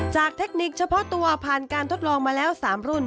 เทคนิคเฉพาะตัวผ่านการทดลองมาแล้ว๓รุ่น